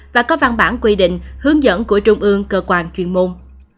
và có văn bản quy định hướng dẫn của trung ương cơ quan chuyên môn